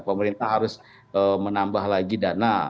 pemerintah harus menambah lagi dana